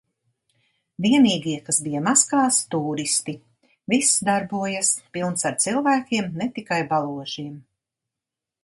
Vienīgie, kas bija maskās – tūristi. Viss darbojas. Pilns ar cilvēkiem, ne tikai baložiem.